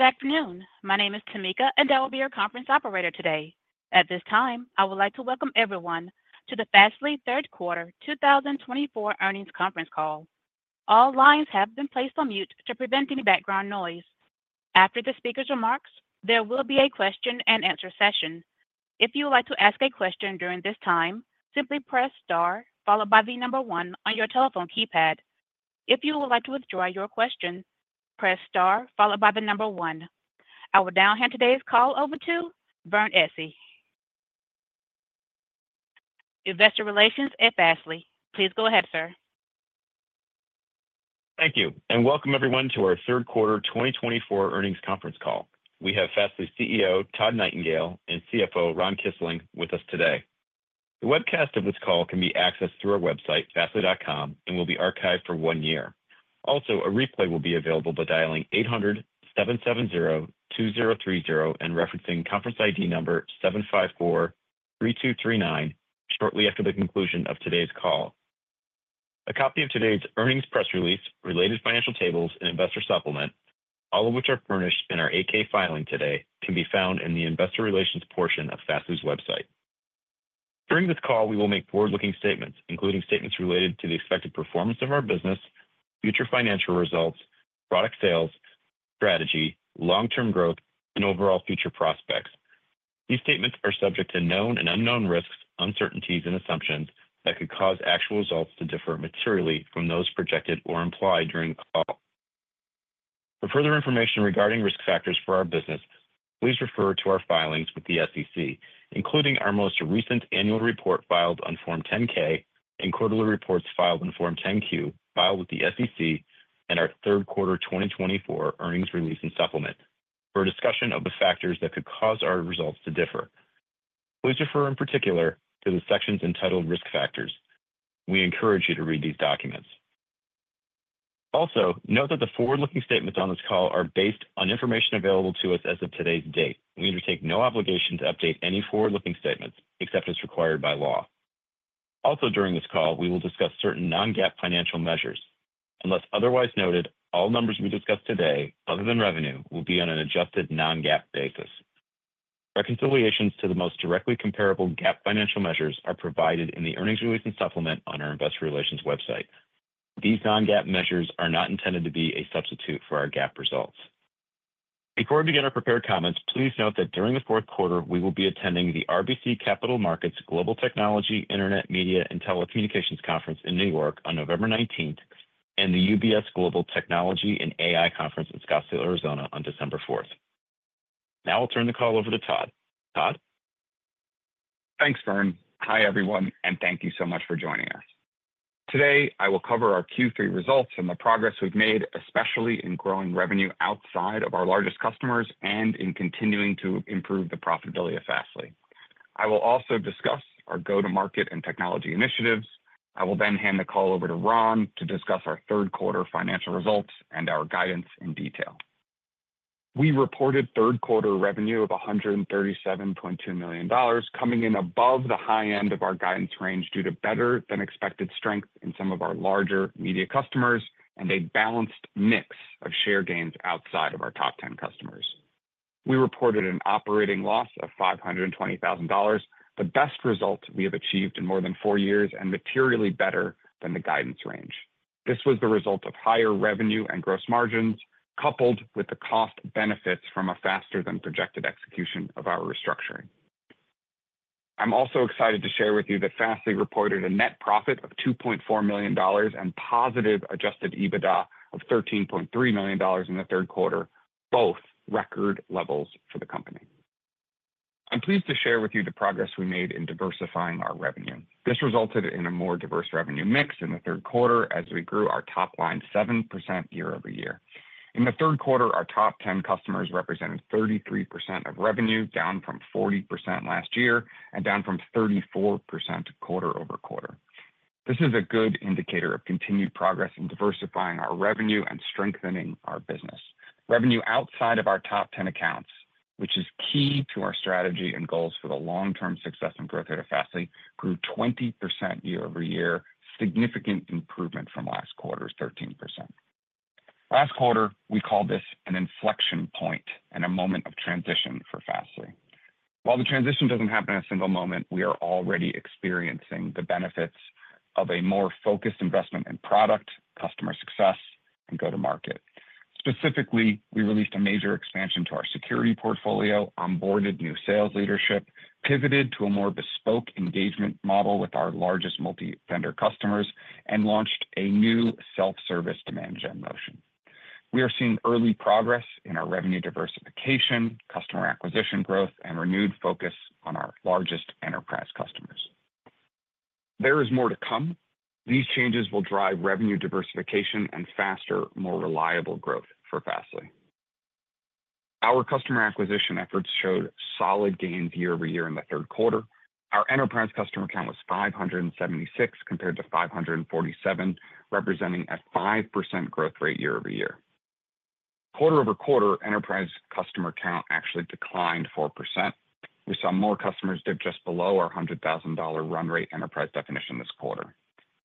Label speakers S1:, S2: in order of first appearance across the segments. S1: Good afternoon. My name is Tamika, and I will be your conference operator today. At this time, I would like to welcome everyone to the Fastly Third Quarter 2024 Earnings Conference Call. All lines have been placed on mute to prevent any background noise. After the speaker's remarks, there will be a question-and-answer session. If you would like to ask a question during this time, simply press star followed by the number one on your telephone keypad. If you would like to withdraw your question, press star followed by the number one. I will now hand today's call over to Vern Essi, Investor Relations at Fastly. Please go ahead, sir.
S2: Thank you, and welcome everyone to our Third Quarter 2024 Earnings Conference Call. We have Fastly CEO Todd Nightingale and CFO Ron Kisling with us today. The webcast of this call can be accessed through our website, fastly.com, and will be archived for one year. Also, a replay will be available by dialing 800-770-2030 and referencing conference ID number 7543239 shortly after the conclusion of today's call. A copy of today's earnings press release, related financial tables, and investor supplement, all of which are furnished in our 8-K filing today, can be found in the investor relations portion of Fastly's website. During this call, we will make forward-looking statements, including statements related to the expected performance of our business, future financial results, product sales, strategy, long-term growth, and overall future prospects. These statements are subject to known and unknown risks, uncertainties, and assumptions that could cause actual results to differ materially from those projected or implied during the call. For further information regarding risk factors for our business, please refer to our filings with the SEC, including our most recent annual report filed on Form 10-K and quarterly reports filed on Form 10-Q filed with the SEC and our Third Quarter 2024 Earnings Release and Supplement for a discussion of the factors that could cause our results to differ. Please refer in particular to the sections entitled Risk Factors. We encourage you to read these documents. Also, note that the forward-looking statements on this call are based on information available to us as of today's date. We undertake no obligation to update any forward-looking statements except as required by law. Also, during this call, we will discuss certain non-GAAP financial measures. Unless otherwise noted, all numbers we discuss today, other than revenue, will be on an adjusted non-GAAP basis. Reconciliations to the most directly comparable GAAP financial measures are provided in the earnings release and supplement on our investor relations website. These non-GAAP measures are not intended to be a substitute for our GAAP results. Before we begin our prepared comments, please note that during the fourth quarter, we will be attending the RBC Capital Markets Global Technology Internet Media and Telecommunications Conference in New York on November 19th and the UBS Global Technology and AI Conference in Scottsdale, Arizona, on December 4th. Now I'll turn the call over to Todd. Todd?
S3: Thanks, Vern. Hi, everyone, and thank you so much for joining us. Today, I will cover our Q3 results and the progress we've made, especially in growing revenue outside of our largest customers and in continuing to improve the profitability of Fastly. I will also discuss our go-to-market and technology initiatives. I will then hand the call over to Ron to discuss our third quarter financial results and our guidance in detail. We reported third quarter revenue of $137.2 million, coming in above the high end of our guidance range due to better-than-expected strength in some of our larger media customers and a balanced mix of share gains outside of our top 10 customers. We reported an operating loss of $520,000, the best result we have achieved in more than four years and materially better than the guidance range.
S4: This was the result of higher revenue and gross margins coupled with the cost benefits from a faster-than-projected execution of our restructuring. I'm also excited to share with you that Fastly reported a net profit of $2.4 million and positive Adjusted EBITDA of $13.3 million in the third quarter, both record levels for the company. I'm pleased to share with you the progress we made in diversifying our revenue. This resulted in a more diverse revenue mix in the third quarter as we grew our top line 7% year-over-year. In the third quarter, our top 10 customers represented 33% of revenue, down from 40% last year and down from 34% quarter-over-quarter. This is a good indicator of continued progress in diversifying our revenue and strengthening our business. Revenue outside of our top 10 accounts, which is key to our strategy and goals for the long-term success and growth of Fastly, grew 20% year-over-year, significant improvement from last quarter's 13%. Last quarter, we called this an inflection point and a moment of transition for Fastly. While the transition doesn't happen in a single moment, we are already experiencing the benefits of a more focused investment in product, customer success, and go-to-market. Specifically, we released a major expansion to our Security portfolio, onboarded new sales leadership, pivoted to a more bespoke engagement model with our largest multi-vendor customers, and launched a new self-service demand gen motion. We are seeing early progress in our revenue diversification, customer acquisition growth, and renewed focus on our largest enterprise customers. There is more to come. These changes will drive revenue diversification and faster, more reliable growth for Fastly. Our customer acquisition efforts showed solid gains year-over-year in the third quarter. Our enterprise customer count was 576 compared to 547, representing a 5% growth rate year-over-year. Quarter-over-quarter, enterprise customer count actually declined 4%. We saw more customers dip just below our $100,000 run rate enterprise definition this quarter.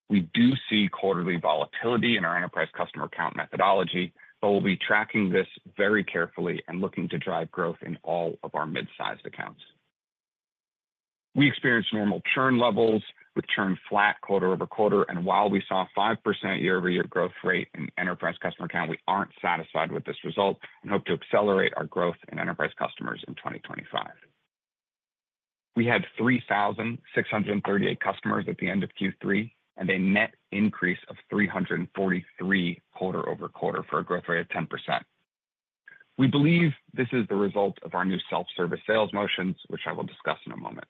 S4: We do see quarterly volatility in our enterprise customer count methodology, but we'll be tracking this very carefully and looking to drive growth in all of our mid-sized accounts. We experienced normal churn levels with churn flat quarter-over-quarter, and while we saw a 5% year-over-year growth rate in enterprise customer count, we aren't satisfied with this result and hope to accelerate our growth in enterprise customers in 2025. We had 3,638 customers at the end of Q3 and a net increase of 343 quarter-over-quarter for a growth rate of 10%. We believe this is the result of our new self-service sales motions, which I will discuss in a moment.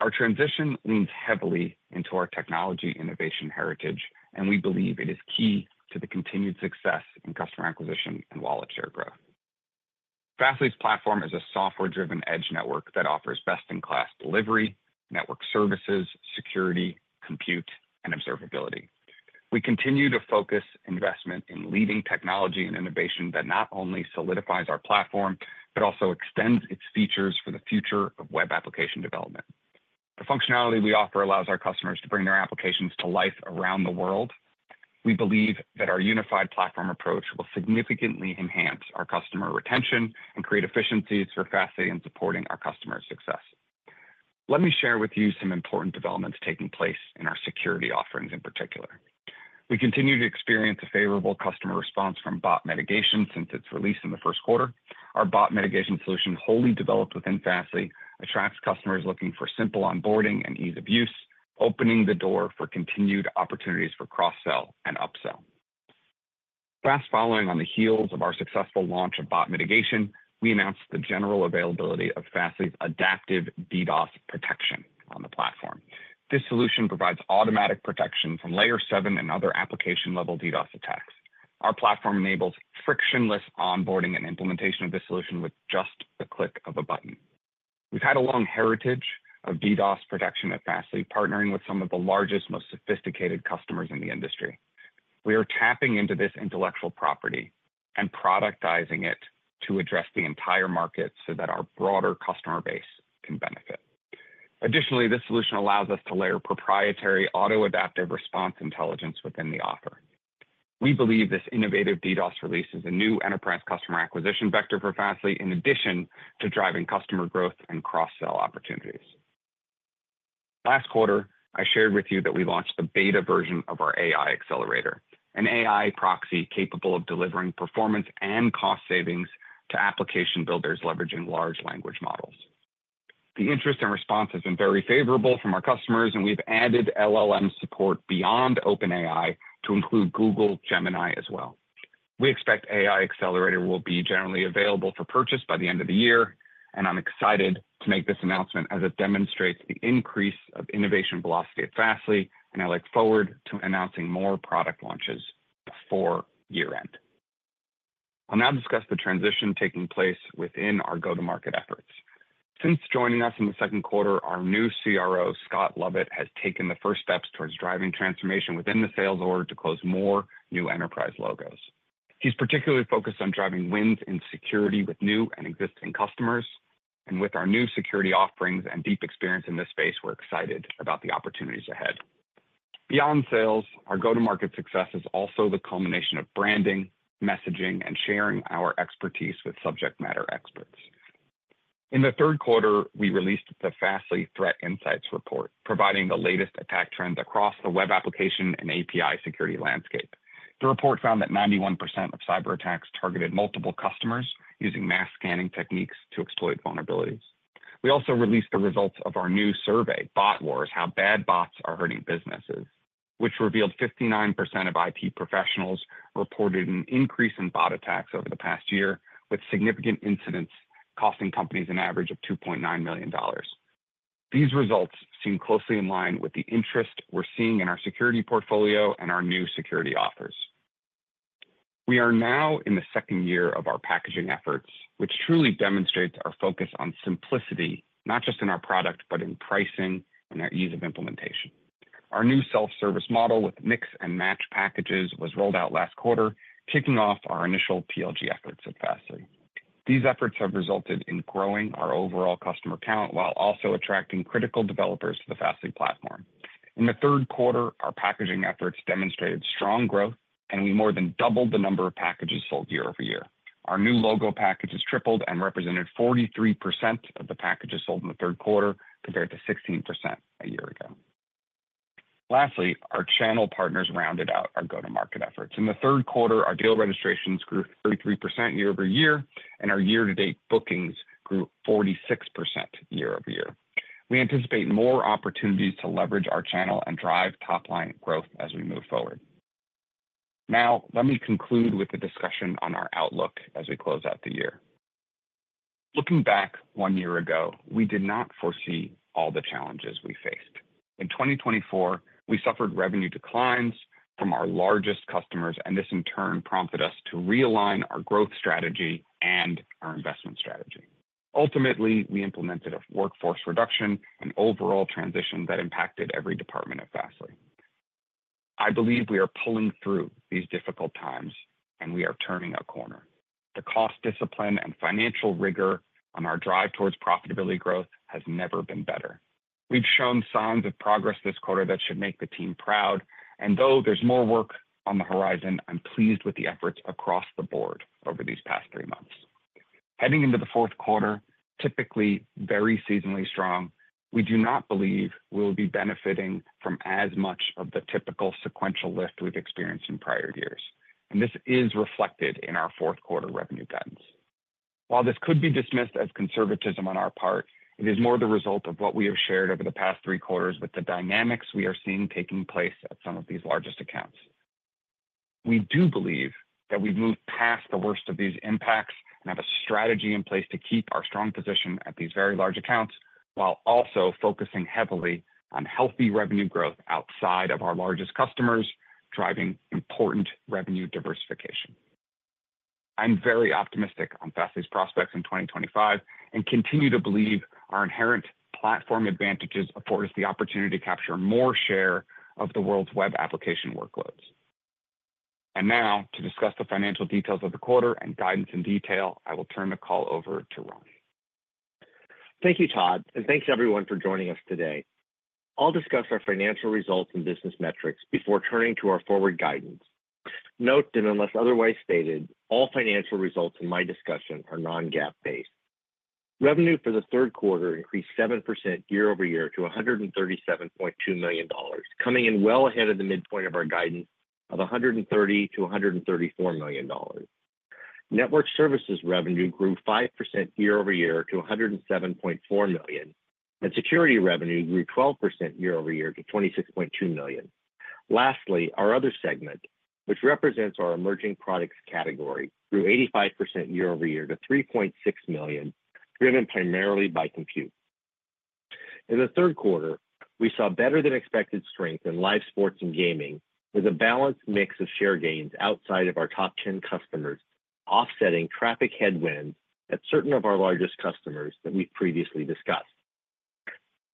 S4: Our transition leans heavily into our technology innovation heritage, and we believe it is key to the continued success in customer acquisition and wallet share growth. Fastly's platform is a software-driven edge network that offers best-in-class delivery, network services, security, compute, and observability. We continue to focus investment in leading technology and innovation that not only solidifies our platform but also extends its features for the future of web application development. The functionality we offer allows our customers to bring their applications to life around the world. We believe that our unified platform approach will significantly enhance our customer retention and create efficiencies for Fastly in supporting our customer success. Let me share with you some important developments taking place in our Security offerings in particular. We continue to experience a favorable customer response from bot mitigation since its release in the first quarter. Our bot mitigation solution, wholly developed within Fastly, attracts customers looking for simple onboarding and ease of use, opening the door for continued opportunities for cross-sell and up-sell. Fastly, following on the heels of our successful launch of bot mitigation, we announced the general availability of Fastly's Adaptive DDoS Protection on the platform. This solution provides automatic protection from Layer 7 and other application-level DDoS attacks. Our platform enables frictionless onboarding and implementation of this solution with just the click of a button. We've had a long heritage of DDoS protection at Fastly, partnering with some of the largest, most sophisticated customers in the industry. We are tapping into this intellectual property and productizing it to address the entire market so that our broader customer base can benefit. Additionally, this solution allows us to layer proprietary auto-adaptive response intelligence within the offer. We believe this innovative DDoS release is a new enterprise customer acquisition vector for Fastly, in addition to driving customer growth and cross-sell opportunities. Last quarter, I shared with you that we launched the beta version of our AI Accelerator, an AI proxy capable of delivering performance and cost savings to application builders leveraging large language models. The interest and response has been very favorable from our customers, and we've added LLM support beyond OpenAI to include Google Gemini as well. We expect the AI Accelerator will be generally available for purchase by the end of the year, and I'm excited to make this announcement as it demonstrates the increase of innovation velocity at Fastly, and I look forward to announcing more product launches before year-end. I'll now discuss the transition taking place within our go-to-market efforts. Since joining us in the second quarter, our new CRO, Scott Lovett, has taken the first steps towards driving transformation within the sales org to close more new enterprise logos. He's particularly focused on driving wins in security with new and existing customers, and with our new security offerings and deep experience in this space, we're excited about the opportunities ahead. Beyond sales, our go-to-market success is also the culmination of branding, messaging, and sharing our expertise with subject matter experts. In the third quarter, we released the Fastly Threat Insights Report, providing the latest attack trends across the web application and API security landscape. The report found that 91% of cyberattacks targeted multiple customers using mass scanning techniques to exploit vulnerabilities. We also released the results of our new survey, Bot Wars: How Bad Bots Are Hurting Businesses, which revealed 59% of IT professionals reported an increase in bot attacks over the past year, with significant incidents costing companies an average of $2.9 million. These results seem closely in line with the interest we're seeing in our Security portfolio and our new security offers. We are now in the second year of our packaging efforts, which truly demonstrates our focus on simplicity, not just in our product, but in pricing and our ease of implementation. Our new self-service model with mix-and-match packages was rolled out last quarter, kicking off our initial PLG efforts at Fastly. These efforts have resulted in growing our overall customer count while also attracting critical developers to the Fastly platform. In the third quarter, our packaging efforts demonstrated strong growth, and we more than doubled the number of packages sold year-over-year. Our new logo package has tripled and represented 43% of the packages sold in the third quarter compared to 16% a year ago. Lastly, our channel partners rounded out our go-to-market efforts. In the third quarter, our deal registrations grew 33% year-over-year, and our year-to-date bookings grew 46% year-over-year. We anticipate more opportunities to leverage our channel and drive top-line growth as we move forward. Now, let me conclude with a discussion on our outlook as we close out the year. Looking back one year ago, we did not foresee all the challenges we faced. In 2024, we suffered revenue declines from our largest customers, and this, in turn, prompted us to realign our growth strategy and our investment strategy. Ultimately, we implemented a workforce reduction and overall transition that impacted every department at Fastly. I believe we are pulling through these difficult times, and we are turning a corner. The cost discipline and financial rigor on our drive towards profitability growth has never been better. We've shown signs of progress this quarter that should make the team proud, and though there's more work on the horizon, I'm pleased with the efforts across the board over these past three months. Heading into the fourth quarter, typically very seasonally strong, we do not believe we will be benefiting from as much of the typical sequential lift we've experienced in prior years, and this is reflected in our fourth quarter revenue patterns. While this could be dismissed as conservatism on our part, it is more the result of what we have shared over the past three quarters with the dynamics we are seeing taking place at some of these largest accounts. We do believe that we've moved past the worst of these impacts and have a strategy in place to keep our strong position at these very large accounts while also focusing heavily on healthy revenue growth outside of our largest customers, driving important revenue diversification. I'm very optimistic on Fastly's prospects in 2025 and continue to believe our inherent platform advantages afford us the opportunity to capture more share of the world's web application workloads, and now, to discuss the financial details of the quarter and guidance in detail, I will turn the call over to Ron.
S5: Thank you, Todd, and thanks everyone for joining us today. I'll discuss our financial results and business metrics before turning to our forward guidance. Note that unless otherwise stated, all financial results in my discussion are non-GAAP-based. Revenue for the third quarter increased 7% year-over-year to $137.2 million, coming in well ahead of the midpoint of our guidance of $130 million-$134 million. Network services revenue grew 5% year-over-year to $107.4 million, and security revenue grew 12% year-over-year to $26.2 million. Lastly, our other segment, which represents our emerging products category, grew 85% year-over-year to $3.6 million, driven primarily by compute. In the third quarter, we saw better-than-expected strength in live sports and gaming, with a balanced mix of share gains outside of our top 10 customers offsetting traffic headwinds at certain of our largest customers that we've previously discussed.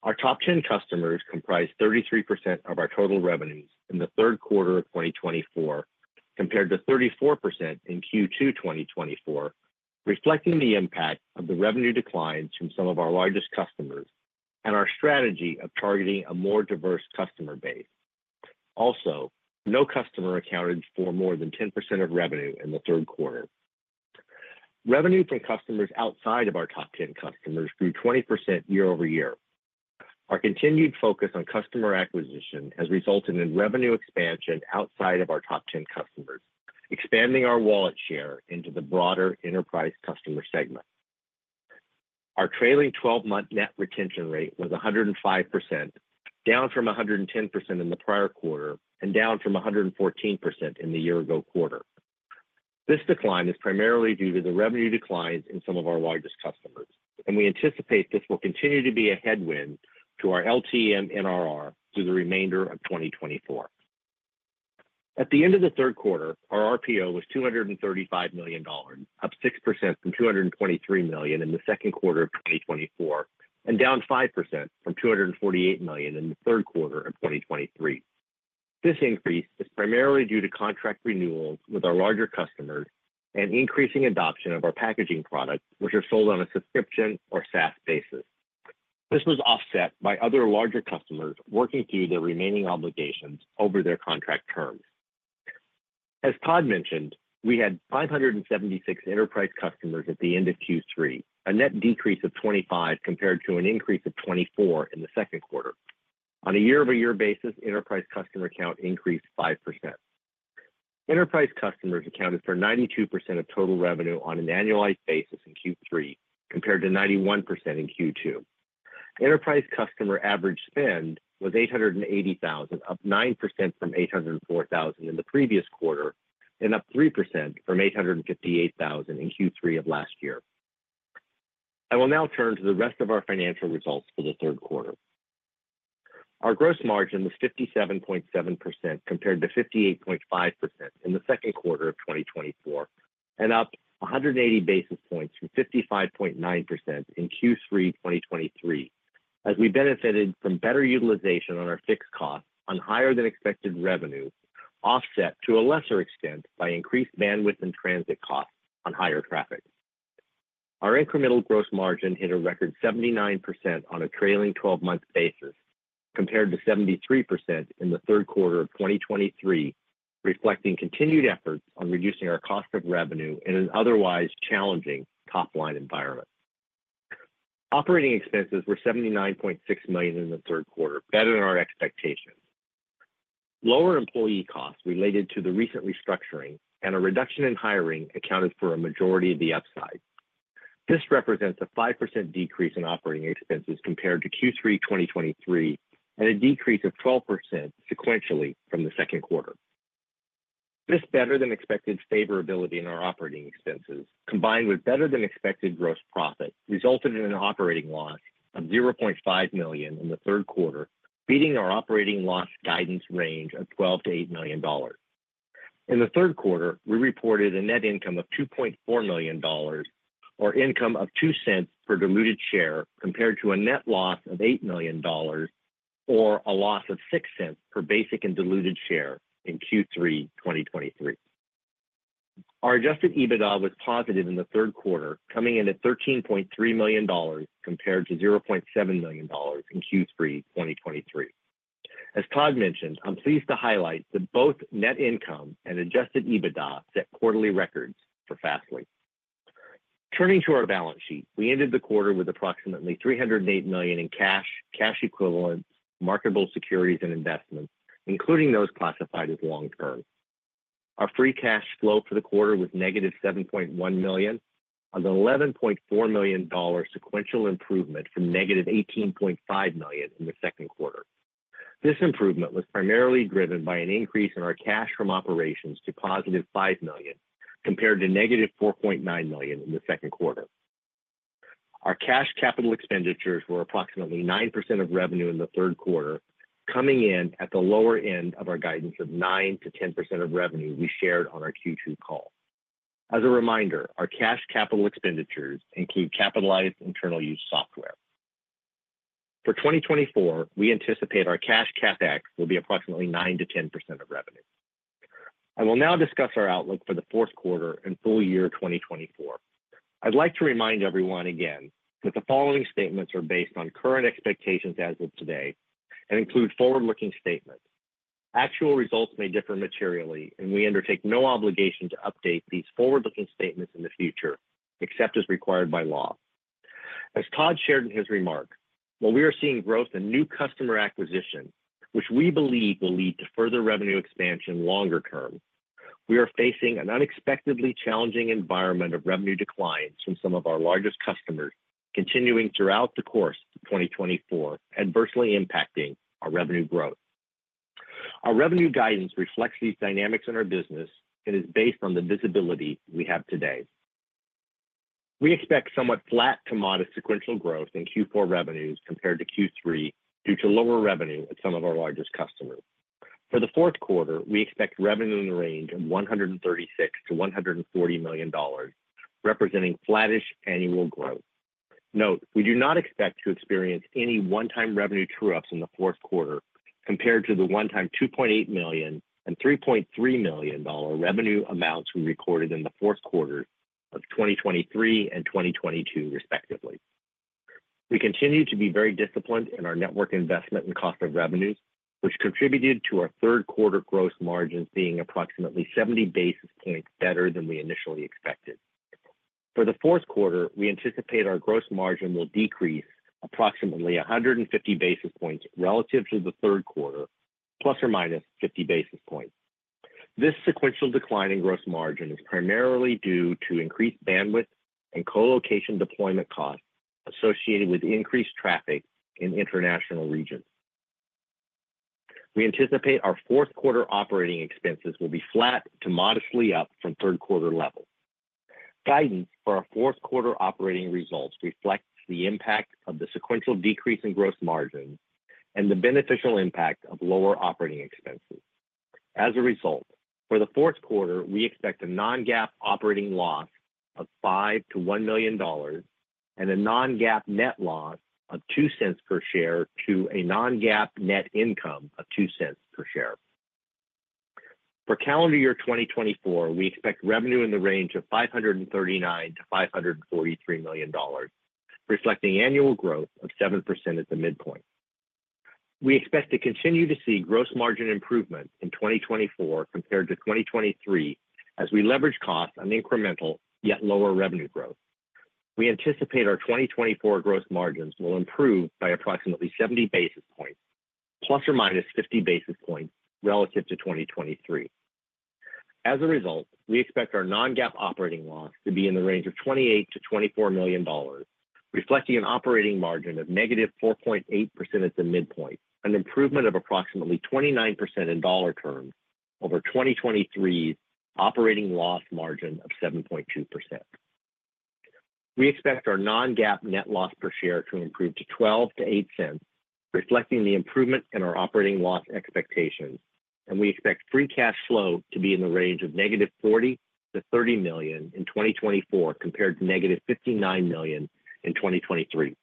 S5: Our top 10 customers comprised 33% of our total revenues in the third quarter of 2024, compared to 34% in Q2 2024, reflecting the impact of the revenue declines from some of our largest customers and our strategy of targeting a more diverse customer base. Also, no customer accounted for more than 10% of revenue in the third quarter. Revenue from customers outside of our top 10 customers grew 20% year-over-year. Our continued focus on customer acquisition has resulted in revenue expansion outside of our top 10 customers, expanding our wallet share into the broader enterprise customer segment. Our trailing 12-month net retention rate was 105%, down from 110% in the prior quarter and down from 114% in the year-ago quarter. This decline is primarily due to the revenue declines in some of our largest customers, and we anticipate this will continue to be a headwind to our LTM NRR through the remainder of 2024. At the end of the third quarter, our RPO was $235 million, up 6% from $223 million in the second quarter of 2024 and down 5% from $248 million in the third quarter of 2023. This increase is primarily due to contract renewals with our larger customers and increasing adoption of our packaging products, which are sold on a subscription or SaaS basis. This was offset by other larger customers working through their remaining obligations over their contract terms. As Todd mentioned, we had 576 enterprise customers at the end of Q3, a net decrease of 25 compared to an increase of 24 in the second quarter. On a year-over-year basis, enterprise customer count increased 5%. Enterprise customers accounted for 92% of total revenue on an annualized basis in Q3, compared to 91% in Q2. Enterprise customer average spend was $880,000, up 9% from $804,000 in the previous quarter and up 3% from $858,000 in Q3 of last year. I will now turn to the rest of our financial results for the third quarter. Our gross margin was 57.7% compared to 58.5% in the second quarter of 2024 and up 180 basis points from 55.9% in Q3 2023, as we benefited from better utilization on our fixed costs on higher-than-expected revenue, offset to a lesser extent by increased bandwidth and transit costs on higher traffic. Our incremental gross margin hit a record 79% on a trailing 12-month basis, compared to 73% in the third quarter of 2023, reflecting continued efforts on reducing our cost of revenue in an otherwise challenging top-line environment. Operating expenses were $79.6 million in the third quarter, better than our expectations. Lower employee costs related to the recent restructuring and a reduction in hiring accounted for a majority of the upside. This represents a 5% decrease in operating expenses compared to Q3 2023 and a decrease of 12% sequentially from the second quarter. This better-than-expected favorability in our operating expenses, combined with better-than-expected gross profit, resulted in an operating loss of $0.5 million in the third quarter, beating our operating loss guidance range of $12 million-$8 million. In the third quarter, we reported a net income of $2.4 million, or income of $0.02 per diluted share, compared to a net loss of $8 million or a loss of $0.06 per basic and diluted share in Q3 2023. Our adjusted EBITDA was positive in the third quarter, coming in at $13.3 million compared to $0.7 million in Q3 2023. As Todd mentioned, I'm pleased to highlight that both net income and adjusted EBITDA set quarterly records for Fastly. Turning to our balance sheet, we ended the quarter with approximately $308 million in cash, cash equivalents, marketable securities, and investments, including those classified as long-term. Our free cash flow for the quarter was negative $7.1 million, an $11.4 million sequential improvement from negative $18.5 million in the second quarter. This improvement was primarily driven by an increase in our cash from operations to positive $5 million, compared to negative $4.9 million in the second quarter. Our cash capital expenditures were approximately 9% of revenue in the third quarter, coming in at the lower end of our guidance of 9%-10% of revenue we shared on our Q2 call. As a reminder, our cash capital expenditures include capitalized internal use software. For 2024, we anticipate our cash CapEx will be approximately 9%-10% of revenue. I will now discuss our outlook for the fourth quarter and full year 2024. I'd like to remind everyone again that the following statements are based on current expectations as of today and include forward-looking statements. Actual results may differ materially, and we undertake no obligation to update these forward-looking statements in the future, except as required by law. As Todd shared in his remark, while we are seeing growth in new customer acquisition, which we believe will lead to further revenue expansion longer term, we are facing an unexpectedly challenging environment of revenue declines from some of our largest customers, continuing throughout the course of 2024, adversely impacting our revenue growth. Our revenue guidance reflects these dynamics in our business and is based on the visibility we have today. We expect somewhat flat to modest sequential growth in Q4 revenues compared to Q3 due to lower revenue at some of our largest customers. For the fourth quarter, we expect revenue in the range of $136 million-$140 million, representing flattish annual growth. Note, we do not expect to experience any one-time revenue true-ups in the fourth quarter compared to the one-time $2.8 million and $3.3 million revenue amounts we recorded in the fourth quarter of 2023 and 2022, respectively. We continue to be very disciplined in our network investment and cost of revenues, which contributed to our third quarter gross margins being approximately 70 basis points better than we initially expected. For the fourth quarter, we anticipate our gross margin will decrease approximately 150 basis points relative to the third quarter, plus or minus 50 basis points. This sequential decline in gross margin is primarily due to increased bandwidth and colocation deployment costs associated with increased traffic in international regions. We anticipate our fourth quarter operating expenses will be flat to modestly up from third quarter levels. Guidance for our fourth quarter operating results reflects the impact of the sequential decrease in gross margins and the beneficial impact of lower operating expenses. As a result, for the fourth quarter, we expect a non-GAAP operating loss of $5 million-$1 million and a non-GAAP net loss of $0.02 per share to a non-GAAP net income of $0.02 per share. For calendar year 2024, we expect revenue in the range of $539 million-$543 million, reflecting annual growth of 7% at the midpoint. We expect to continue to see gross margin improvement in 2024 compared to 2023 as we leverage costs on incremental yet lower revenue growth. We anticipate our 2024 gross margins will improve by approximately 70 basis points, plus or minus 50 basis points relative to 2023. As a result, we expect our non-GAAP operating loss to be in the range of $28 million-$24 million, reflecting an operating margin of negative 4.8% at the midpoint, an improvement of approximately 29% in dollar terms over 2023's operating loss margin of 7.2%. We expect our non-GAAP net loss per share to improve to $0.12-$0.08, reflecting the improvement in our operating loss expectations, and we expect free cash flow to be in the range of negative $40 million-$30 million in 2024 compared to negative $59 million in 2023.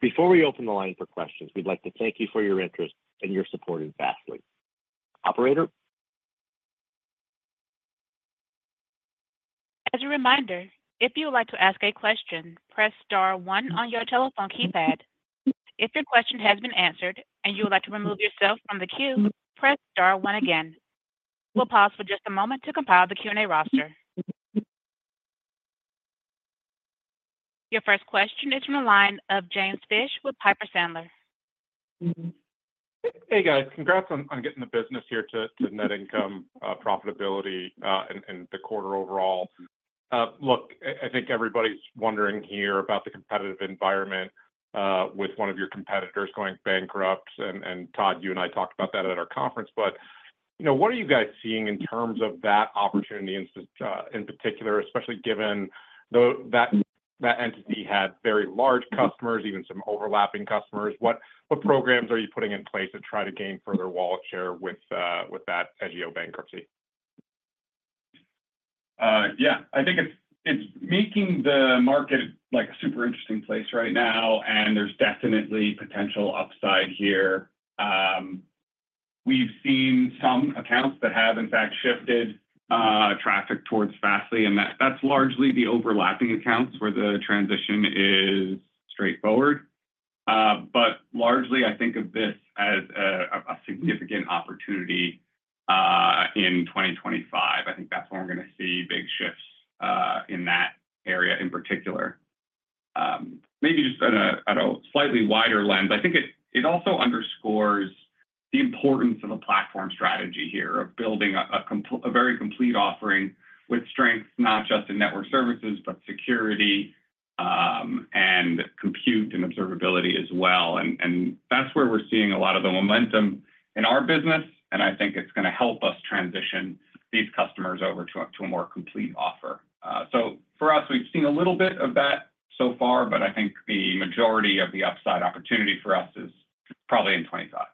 S5: Before we open the line for questions, we'd like to thank you for your interest and your support in Fastly. Operator?
S1: As a reminder, if you would like to ask a question, press star one on your telephone keypad. If your question has been answered and you would like to remove yourself from the queue, press star one again. We'll pause for just a moment to compile the Q&A roster. Your first question is from the line of James Fish with Piper Sandler.
S6: Hey, guys. Congrats on getting the business here to net income, profitability, and the quarter overall. Look, I think everybody's wondering here about the competitive environment with one of your competitors going bankrupt. And Todd, you and I talked about that at our conference. But what are you guys seeing in terms of that opportunity in particular, especially given that that entity had very large customers, even some overlapping customers? What programs are you putting in place to try to gain further wallet share with that Edgio bankruptcy?
S3: Yeah. I think it's making the market a super interesting place right now, and there's definitely potential upside here. We've seen some accounts that have, in fact, shifted traffic towards Fastly, and that's largely the overlapping accounts where the transition is straightforward. But largely, I think of this as a significant opportunity in 2025. I think that's where we're going to see big shifts in that area in particular. Maybe just at a slightly wider lens, I think it also underscores the importance of a platform strategy here of building a very complete offering with strengths not just in network services, but security and compute and observability as well, and that's where we're seeing a lot of the momentum in our business, and I think it's going to help us transition these customers over to a more complete offer. So for us, we've seen a little bit of that so far, but I think the majority of the upside opportunity for us is probably in 2025.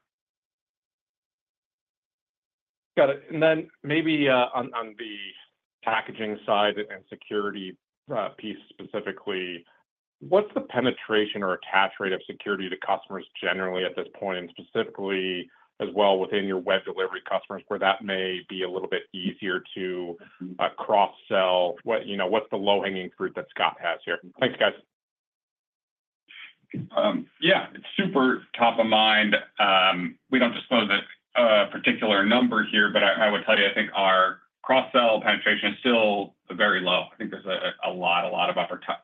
S6: Got it. And then maybe on the packaging side and security piece specifically, what's the penetration or attach rate of security to customers generally at this point, and specifically as well within your web delivery customers where that may be a little bit easier to cross-sell? What's the low-hanging fruit that Scott has here? Thanks, guys.
S2: Yeah. It's super top of mind. We don't disclose a particular number here, but I would tell you, I think our cross-sell penetration is still very low. I think there's a lot of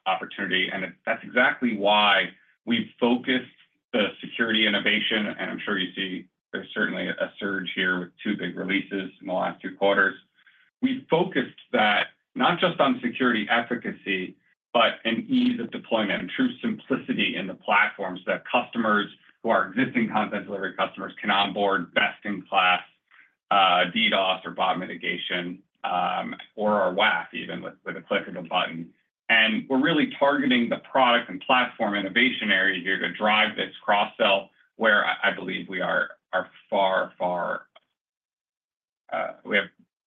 S2: opportunity, and that's exactly why we've focused the security innovation. And I'm sure you see there's certainly a surge here with two big releases in the last two quarters. We've focused that not just on security efficacy, but an ease of deployment and true simplicity in the platform so that customers who are existing content delivery customers can onboard best-in-class DDoS or bot mitigation or our WAF even with a click of a button. We're really targeting the product and platform innovation area here to drive this cross-sell where I believe we are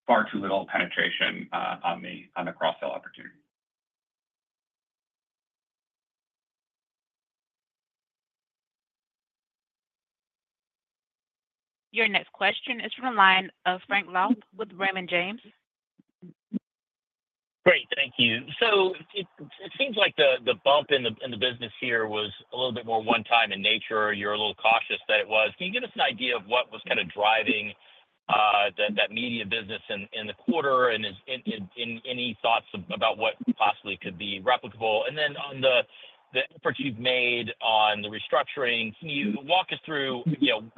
S2: far too little penetration on the cross-sell opportunity.
S1: Your next question is from the line of Frank Louthan with Raymond James.
S7: Great. Thank you. So it seems like the bump in the business here was a little bit more one-time in nature. You're a little cautious that it was. Can you give us an idea of what was kind of driving that media business in the quarter and any thoughts about what possibly could be replicable? And then on the efforts you've made on the restructuring, can you walk us through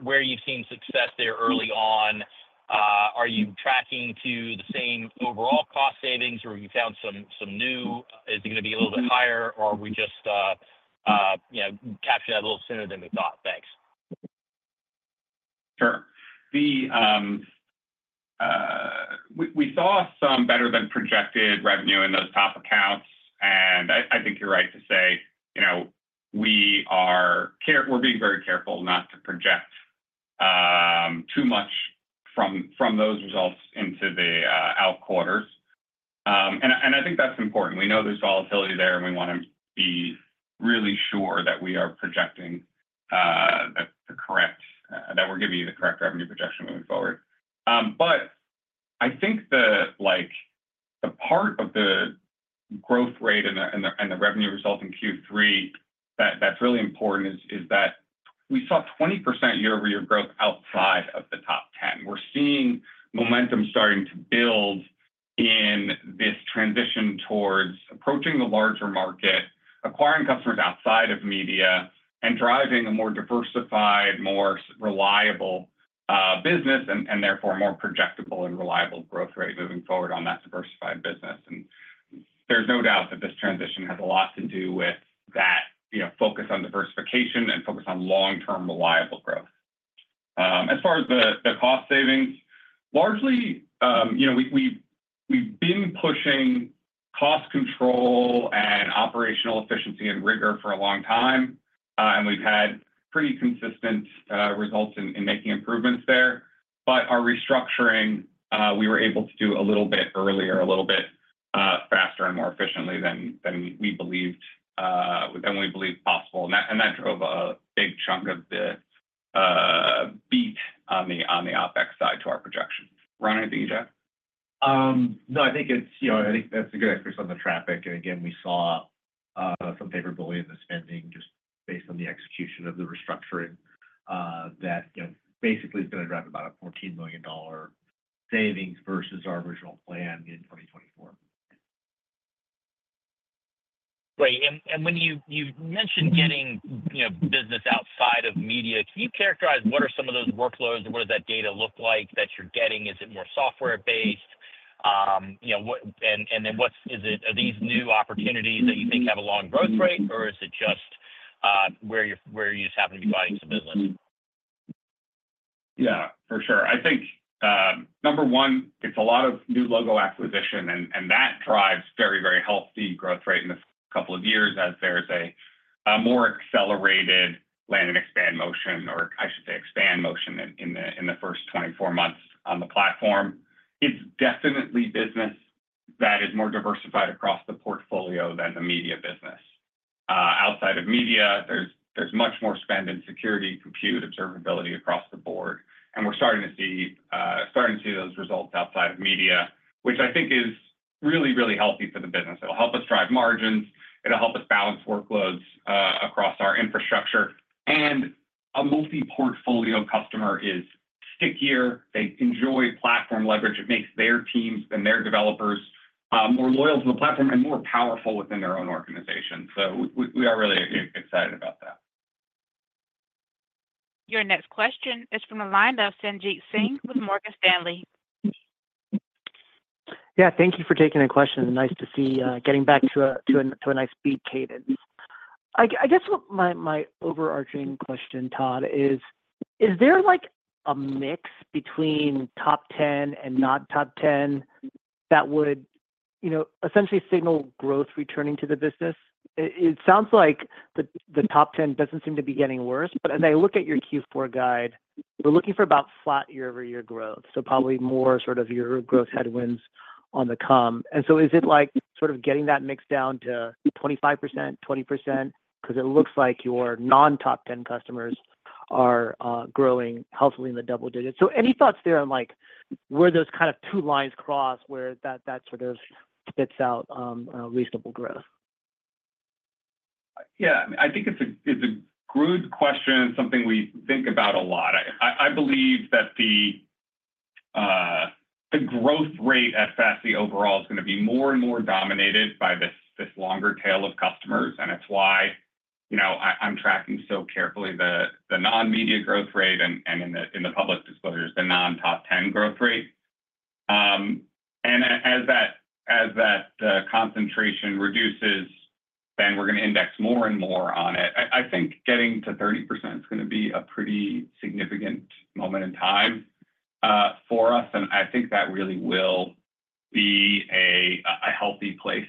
S7: where you've seen success there early on? Are you tracking to the same overall cost savings, or have you found some new? Is it going to be a little bit higher, or are we just capturing that a little sooner than we thought? Thanks.
S3: Sure. We saw some better-than-projected revenue in those top accounts, and I think you're right to say we're being very careful not to project too much from those results into the out quarters. And I think that's important. We know there's volatility there, and we want to be really sure that we're giving you the correct revenue projection moving forward. I think the part of the growth rate and the revenue resulting Q3 that's really important is that we saw 20% year-over-year growth outside of the top 10. We're seeing momentum starting to build in this transition towards approaching the larger market, acquiring customers outside of media, and driving a more diversified, more reliable business, and therefore more projectable and reliable growth rate moving forward on that diversified business. There's no doubt that this transition has a lot to do with that focus on diversification and focus on long-term reliable growth. As far as the cost savings, largely, we've been pushing cost control and operational efficiency and rigor for a long time, and we've had pretty consistent results in making improvements there. Our restructuring, we were able to do a little bit earlier, a little bit faster, and more efficiently than we believed possible. And that drove a big chunk of the beat on the OpEx side to our projections. Ron, Jeff?
S5: No, I think it's-I think that's a good exercise on the traffic. And again, we saw some favorability in the spending just based on the execution of the restructuring that basically is going to drive about a $14 million savings versus our original plan in 2024.
S7: Great. And when you mentioned getting business outside of media, can you characterize what are some of those workloads or what does that data look like that you're getting? Is it more software-based? And then are these new opportunities that you think have a long growth rate, or is it just where you just happen to be buying some business?
S3: Yeah, for sure. I think number one, it's a lot of new logo acquisition, and that drives very, very healthy growth rate in this couple of years as there's a more accelerated land and expand motion, or I should say expand motion in the first 24 months on the platform. It's definitely business that is more diversified across the portfolio than the media business. Outside of media, there's much more spend in security, compute, observability across the board. And we're starting to see those results outside of media, which I think is really, really healthy for the business. It'll help us drive margins. It'll help us balance workloads across our infrastructure. And a multi-portfolio customer is stickier. They enjoy platform leverage. It makes their teams and their developers more loyal to the platform and more powerful within their own organization. So we are really excited about that.
S1: Your next question is from the line of Sanjit Singh with Morgan Stanley.
S8: Yeah. Thank you for taking the question. Nice to see getting back to a nice beat cadence. I guess my overarching question, Todd, is there a mix between top 10 and not top 10 that would essentially signal growth returning to the business? It sounds like the top 10 doesn't seem to be getting worse, but as I look at your Q4 guide, we're looking for about flat year-over-year growth, so probably more sort of year-over-year growth headwinds on the come. And so is it sort of getting that mix down to 25%, 20%? Because it looks like your non-top 10 customers are growing healthily in the double digits. So any thoughts there on where those kind of two lines cross where that sort of spits out reasonable growth?
S3: Yeah. I think it's a good question and something we think about a lot. I believe that the growth rate at Fastly overall is going to be more and more dominated by this longer tail of customers, and it's why I'm tracking so carefully the non-media growth rate and in the public disclosures, the non-top 10 growth rate, and as that concentration reduces, then we're going to index more and more on it. I think getting to 30% is going to be a pretty significant moment in time for us, and I think that really will be a healthy place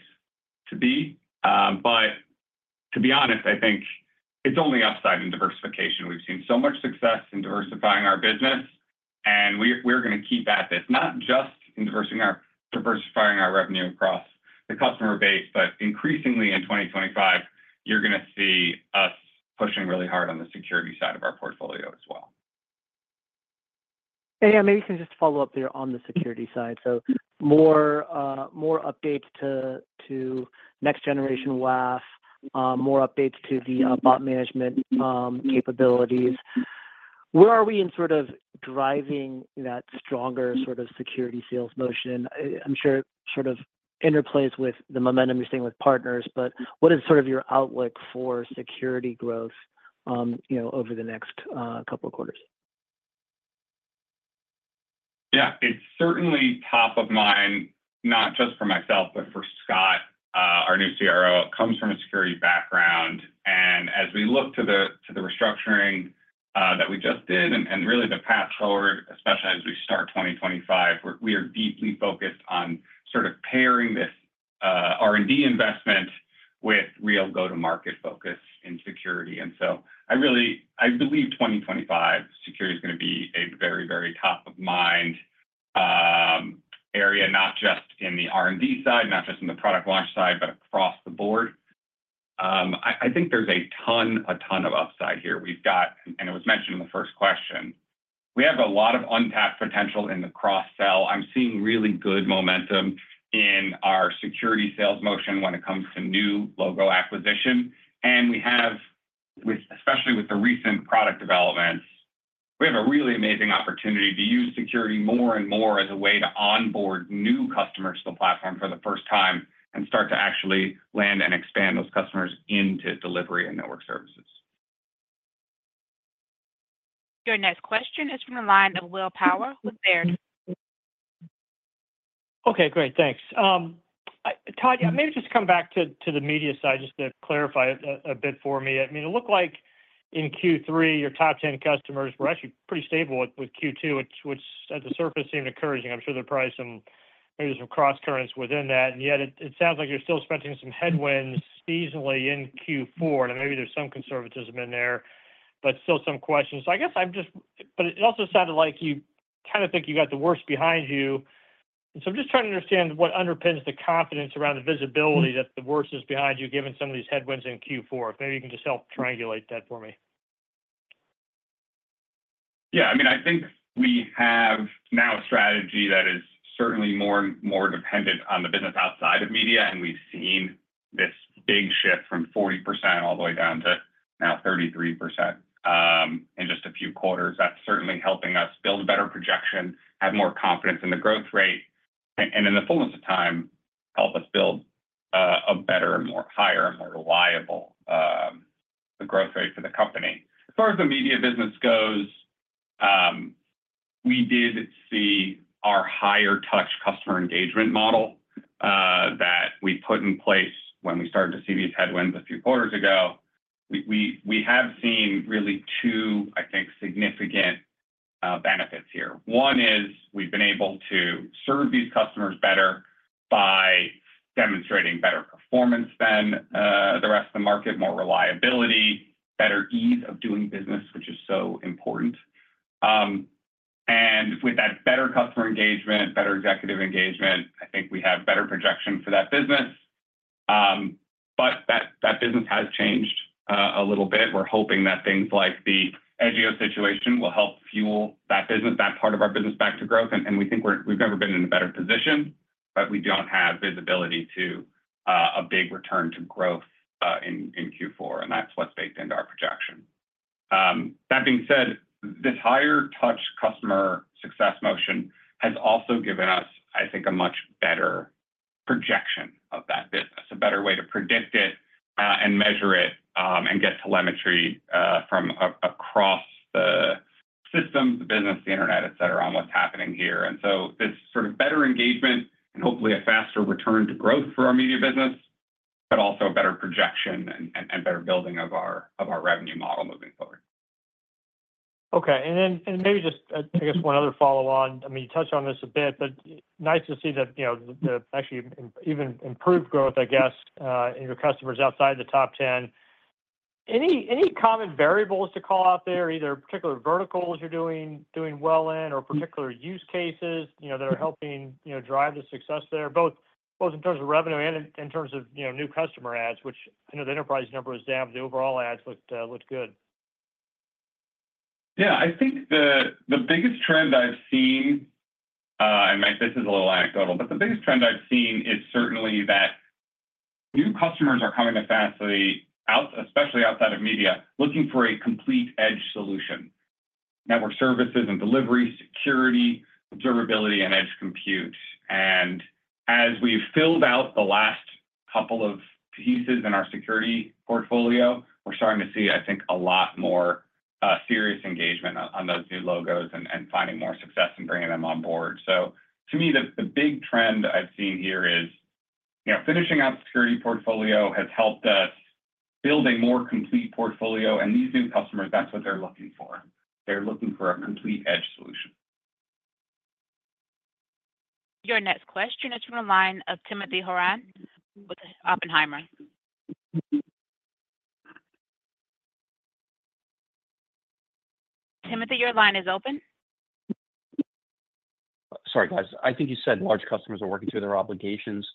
S3: to be, but to be honest, I think it's only upside in diversification. We've seen so much success in diversifying our business, and we're going to keep at this, not just in diversifying our revenue across the customer base, but increasingly in 2025, you're going to see us pushing really hard on the security side of our portfolio as well.
S8: Yeah. Maybe you can just follow up there on the security side. So more updates to next-generation WAF, more updates to the bot management capabilities. Where are we in sort of driving that stronger sort of security sales motion? I'm sure it sort of interplays with the momentum you're seeing with partners, but what is sort of your outlook for security growth over the next couple of quarters?
S3: Yeah. It's certainly top of mind, not just for myself, but for Scott, our new CRO. It comes from a security background. And as we look to the restructuring that we just did and really the path forward, especially as we start 2025, we are deeply focused on sort of pairing this R&D investment with real go-to-market focus in security. And so I believe 2025, security is going to be a very, very top-of-mind area, not just in the R&D side, not just in the product launch side, but across the board. I think there's a ton of upside here. And it was mentioned in the first question. We have a lot of untapped potential in the cross-sell. I'm seeing really good momentum in our Security sales motion when it comes to new logo acquisition. We have, especially with the recent product developments, we have a really amazing opportunity to use security more and more as a way to onboard new customers to the platform for the first time and start to actually land and expand those customers into delivery and network services.
S1: Your next question is from the line of Will Power with Baird.
S4: Okay. Great. Thanks. Todd, maybe just come back to the media side just to clarify a bit for me. I mean, it looked like in Q3, your top 10 customers were actually pretty stable with Q2, which at the surface seemed encouraging. I'm sure there are probably some cross-currents within that. And yet it sounds like you're still facing some headwinds seasonally in Q4. And maybe there's some conservatism in there, but still some questions. So I guess I'm just, but it also sounded like you kind of think you got the worst behind you. And so I'm just trying to understand what underpins the confidence around the visibility that the worst is behind you given some of these headwinds in Q4. If maybe you can just help triangulate that for me.
S3: Yeah. I mean, I think we have now a strategy that is certainly more dependent on the business outside of media, and we've seen this big shift from 40% all the way down to now 33% in just a few quarters. That's certainly helping us build a better projection, have more confidence in the growth rate, and in the fullness of time, help us build a better, higher, and more reliable growth rate for the company. As far as the media business goes, we did see our higher-touch customer engagement model that we put in place when we started to see these headwinds a few quarters ago. We have seen really two, I think, significant benefits here. One is we've been able to serve these customers better by demonstrating better performance than the rest of the market, more reliability, better ease of doing business, which is so important. And with that better customer engagement, better executive engagement, I think we have better projection for that business. But that business has changed a little bit. We're hoping that things like the Edgio situation will help fuel that business, that part of our business back to growth. And we think we've never been in a better position, but we don't have visibility to a big return to growth in Q4, and that's what's baked into our projection. That being said, this higher-touch customer success motion has also given us, I think, a much better projection of that business, a better way to predict it and measure it and get telemetry from across the system, the business, the internet, etc., on what's happening here. And so this sort of better engagement and hopefully a faster return to growth for our media business, but also a better projection and better building of our revenue model moving forward.
S4: Okay. And then maybe just, I guess, one other follow-on. I mean, you touched on this a bit, but nice to see that the actually even improved growth, I guess, in your customers outside the top 10. Any common variables to call out there, either particular verticals you're doing well in or particular use cases that are helping drive the success there, both in terms of revenue and in terms of new customer adds, which I know the enterprise number was down, but the overall adds looked good?
S3: Yeah. I think the biggest trend I've seen, and this is a little anecdotal, but the biggest trend I've seen is certainly that new customers are coming to Fastly, especially outside of media, looking for a complete edge solution: network services and delivery, security, observability, and edge compute. And as we've filled out the last couple of pieces in our security portfolio, we're starting to see, I think, a lot more serious engagement on those new logos and finding more success in bringing them on board. So to me, the big trend I've seen here is finishing out the security portfolio has helped us build a more complete portfolio. And these new customers, that's what they're looking for. They're looking for a complete edge solution.
S1: Your next question is from the line of Timothy Horan with Oppenheimer. Timothy, your line is open.
S9: Sorry, guys. I think you said large customers are working through their obligations.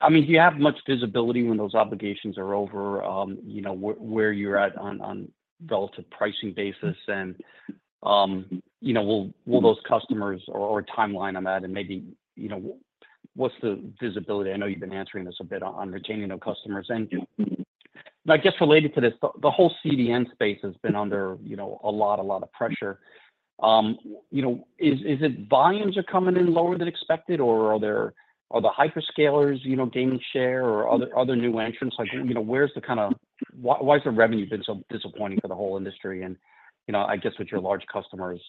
S9: I mean, do you have much visibility when those obligations are over where you're at on relative pricing basis? And will those customers or a timeline on that? And maybe what's the visibility? I know you've been answering this a bit on retaining those customers. And I guess related to this, the whole CDN space has been under a lot, a lot of pressure. Is it volumes are coming in lower than expected, or are the hyperscalers gaining share or other new entrants? Where's the kind of, why has the revenue been so disappointing for the whole industry? I guess with your large customers,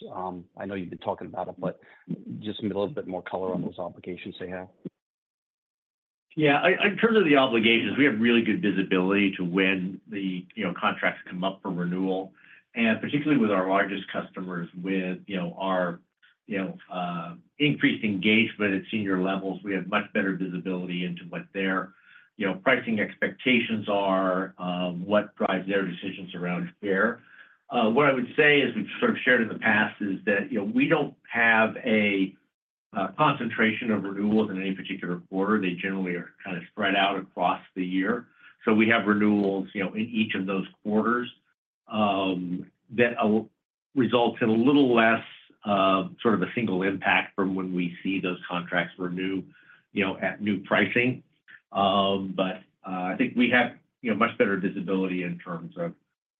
S9: I know you've been talking about it, but just give me a little bit more color on those obligations they have.
S3: Yeah. In terms of the obligations, we have really good visibility to when the contracts come up for renewal. And particularly with our largest customers, with our increased engagement at senior levels, we have much better visibility into what their pricing expectations are, what drives their decisions around here. What I would say, as we've sort of shared in the past, is that we don't have a concentration of renewals in any particular quarter. They generally are kind of spread out across the year. So we have renewals in each of those quarters that results in a little less sort of a single impact from when we see those contracts renew at new pricing. But I think we have much better visibility in terms of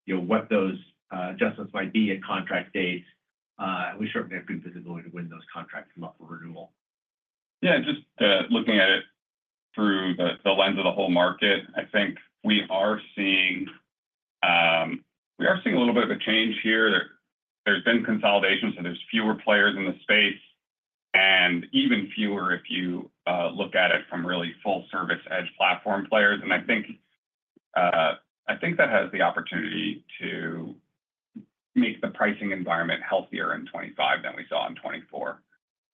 S3: what those adjustments might be at contract dates. We certainly have good visibility to when those contracts come up for renewal.
S2: Yeah. Just looking at it through the lens of the whole market, I think we are seeing a little bit of a change here. There's been consolidation, so there's fewer players in the space, and even fewer if you look at it from really full-service edge platform players. And I think that has the opportunity to make the pricing environment healthier in 2025 than we saw in 2024.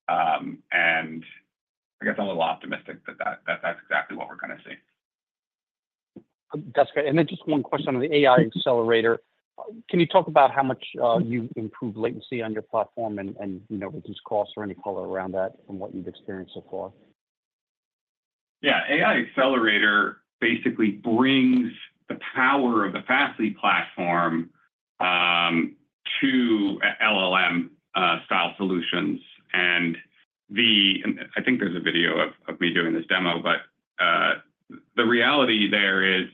S2: And I guess I'm a little optimistic that that's exactly what we're going to see.
S9: That's great. And then just one question on the AI Accelerator. Can you talk about how much you've improved latency on your platform and reduced costs or any color around that from what you've experienced so far?
S3: Yeah. AI Accelerator basically brings the power of the Fastly Platform to LLM-style solutions. And I think there's a video of me doing this demo, but the reality there is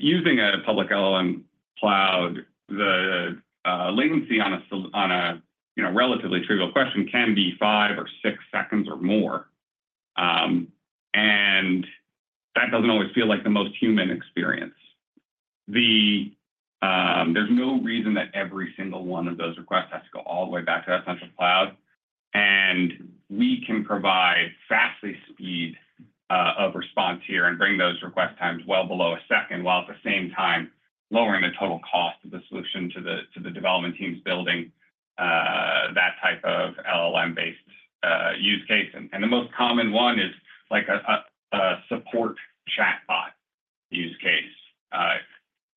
S3: using a public LLM cloud, the latency on a relatively trivial question can be five or six seconds or more. And that doesn't always feel like the most human experience. There's no reason that every single one of those requests has to go all the way back to that central cloud. And we can provide Fastly speed of response here and bring those request times well below a second while at the same time lowering the total cost of the solution to the development teams building that type of LLM-based use case. And the most common one is like a support chatbot use case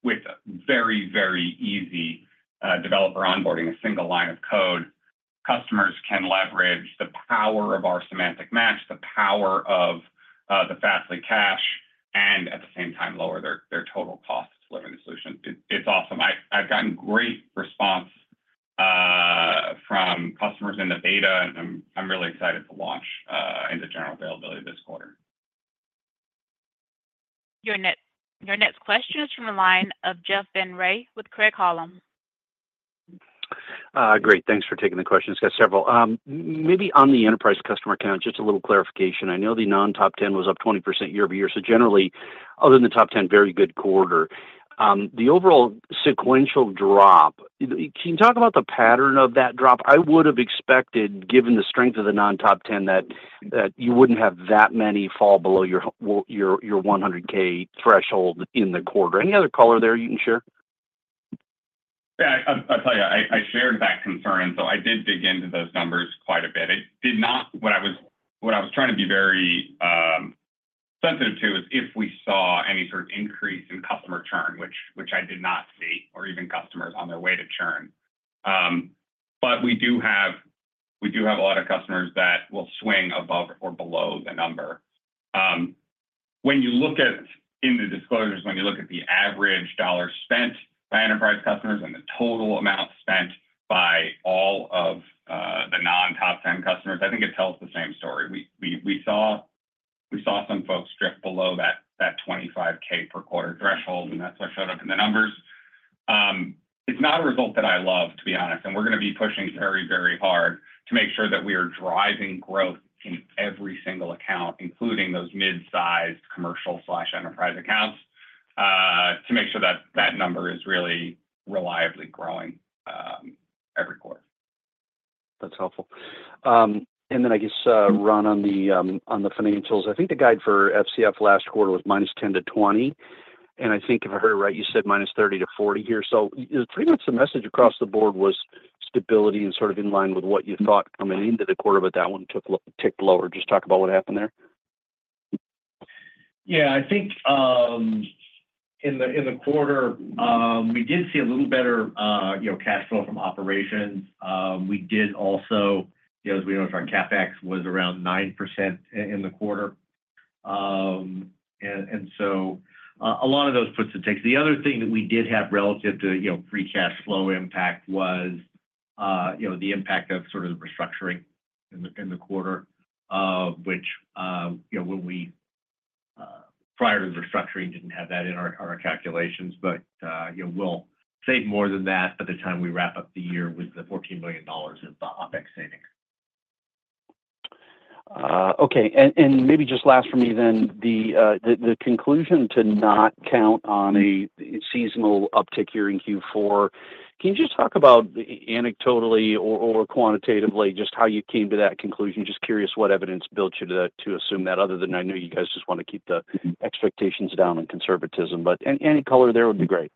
S3: with very, very easy developer onboarding, a single line of code. Customers can leverage the power of our Semantic Match, the power of the Fastly cache, and at the same time lower their total cost to deliver the solution. It's awesome. I've gotten great response from customers in the beta, and I'm really excited to launch into general availability this quarter.
S1: Your next question is from the line of Jeff Van Rhee with Craig-Hallum.
S10: Great. Thanks for taking the question. It's got several. Maybe on the enterprise customer account, just a little clarification. I know the non-top 10 was up 20% year-over-year. So generally, other than the top 10, very good quarter. The overall sequential drop, can you talk about the pattern of that drop? I would have expected, given the strength of the non-top 10, that you wouldn't have that many fall below your 100K threshold in the quarter. Any other color there you can share?
S3: Yeah. I'll tell you, I shared that concern, so I did dig into those numbers quite a bit. What I was trying to be very sensitive to is if we saw any sort of increase in customer churn, which I did not see, or even customers on their way to churn. But we do have a lot of customers that will swing above or below the number. When you look at in the disclosures, when you look at the average dollar spent by enterprise customers and the total amount spent by all of the non-top 10 customers, I think it tells the same story. We saw some folks drift below that $25K per quarter threshold, and that's what showed up in the numbers. It's not a result that I love, to be honest. And we're going to be pushing very, very hard to make sure that we are driving growth in every single account, including those mid-sized commercial/enterprise accounts, to make sure that that number is really reliably growing every quarter.
S10: That's helpful. And then I guess, Ron, on the financials, I think the guide for FCF last quarter was -10 to -20. And I think if I heard it right, you said -30 to -40 here. So, pretty much the message across the board was stability and sort of in line with what you thought coming into the quarter, but that one ticked lower. Just talk about what happened there.
S5: Yeah. I think in the quarter, we did see a little better cash flow from operations. We did also, as we noticed, our CapEx was around 9% in the quarter. And so a lot of those puts and takes. The other thing that we did have relative to free cash flow impact was the impact of sort of the restructuring in the quarter, which we, prior to the restructuring, didn't have that in our calculations, but we'll save more than that by the time we wrap up the year with the $14 million of the OpEx savings.
S10: Okay. Maybe just last for me then, the conclusion to not count on a seasonal uptick here in Q4. Can you just talk about anecdotally or quantitatively just how you came to that conclusion? Just curious what evidence led you to assume that, other than I know you guys just want to keep the expectations down and conservative. But any color there would be great.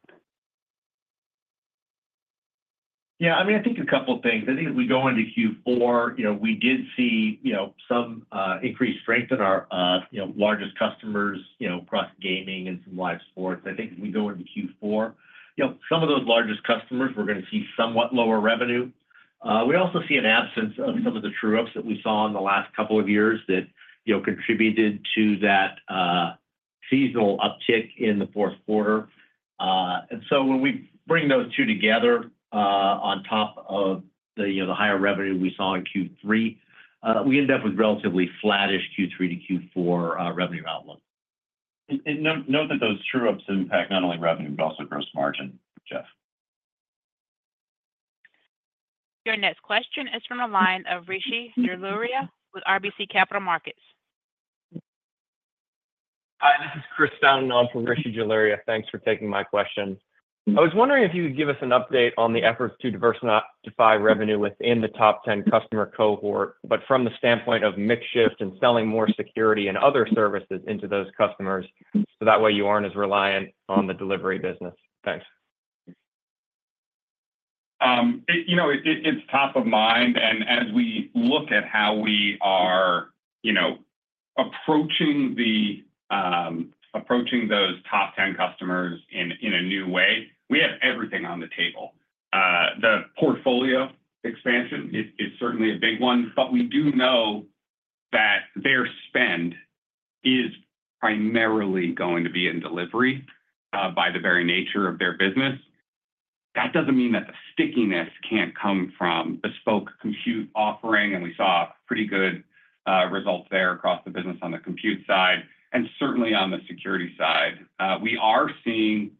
S5: Yeah. I mean, I think a couple of things. I think as we go into Q4, we did see some increased strength in our largest customers, across gaming and some live sports. I think as we go into Q4, some of those largest customers, we're going to see somewhat lower revenue. We also see an absence of some of the true-ups that we saw in the last couple of years that contributed to that seasonal uptick in the fourth quarter. And so when we bring those two together on top of the higher revenue we saw in Q3, we end up with relatively flattish Q3 to Q4 revenue outlook. And note that those true-ups impact not only revenue, but also gross margin, Jeff.
S1: Your next question is from the line of Rishi Jaluria with RBC Capital Markets.
S11: Hi. This is Chris Fountain for Rishi Jaluria. Thanks for taking my question. I was wondering if you could give us an update on the efforts to diversify revenue within the top 10 customer cohort, but from the standpoint of mix shift and selling more security and other services into those customers, so that way you aren't as reliant on the delivery business. Thanks.
S3: It's top of mind. And as we look at how we are approaching those top 10 customers in a new way, we have everything on the table. The portfolio expansion is certainly a big one, but we do know that their spend is primarily going to be in delivery by the very nature of their business. That doesn't mean that the stickiness can't come from bespoke compute offering. And we saw pretty good results there across the business on the compute side. And certainly on the security side, we are seeing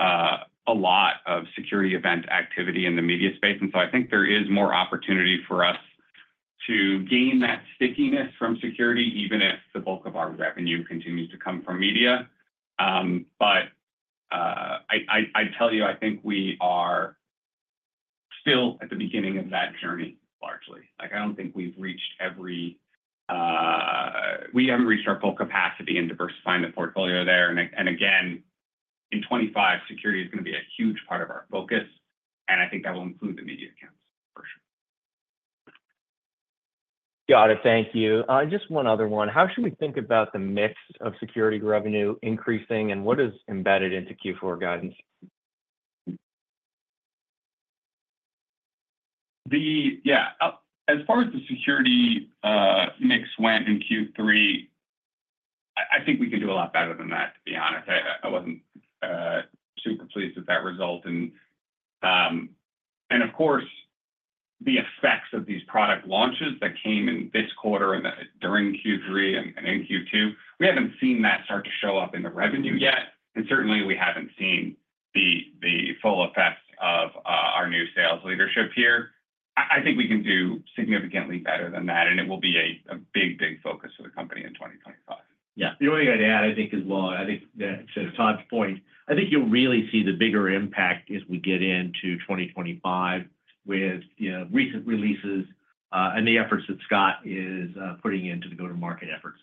S3: a lot of security event activity in the media space. And so I think there is more opportunity for us to gain that stickiness from security, even if the bulk of our revenue continues to come from media. But I'd tell you, I think we are still at the beginning of that journey, largely. I don't think we've reached every. We haven't reached our full capacity and diversifying the portfolio there. And again, in 2025, security is going to be a huge part of our focus. I think that will include the media accounts, for sure.
S11: Got it. Thank you. Just one other one. How should we think about the mix of security revenue increasing, and what is embedded into Q4 guidance?
S3: Yeah. As far as the security mix went in Q3, I think we can do a lot better than that, to be honest. I wasn't super pleased with that result. And of course, the effects of these product launches that came in this quarter and during Q3 and in Q2, we haven't seen that start to show up in the revenue yet. And certainly, we haven't seen the full effects of our new sales leadership here. I think we can do significantly better than that, and it will be a big, big focus for the company in 2025.
S5: Yeah. The only thing I'd add, I think, as well, I think to Todd's point, I think you'll really see the bigger impact as we get into 2025 with recent releases and the efforts that Scott is putting into the go-to-market efforts.